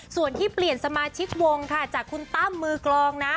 ส่วนที่เปลี่ยนสมาชิกวงค่ะจากคุณตั้มมือกลองนะ